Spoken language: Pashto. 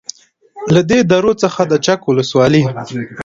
. له دې درو څخه د چک ولسوالۍ